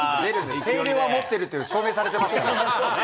声量は持ってるって、証明されてますからね。